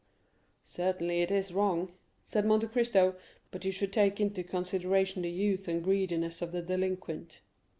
"Certainly, it is wrong," said Monte Cristo, "but you should take into consideration the youth and greediness of the delinquent."